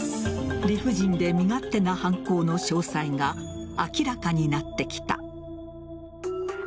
理不尽で身勝手な犯行の詳細が明らかになってきた。